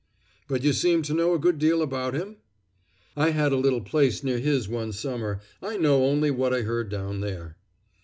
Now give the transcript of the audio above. "But you seem to know a good deal about him?" "I had a little place near his one summer. I know only what I heard down there."